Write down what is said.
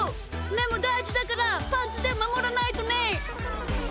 めもだいじだからパンツでまもらないとね！